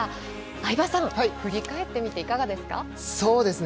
相葉さん、振り返ってみていかがですか？